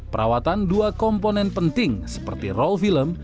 perawatan dua komponen penting seperti roll film